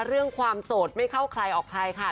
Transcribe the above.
เรื่องความโสดไม่เข้าใครออกใครค่ะ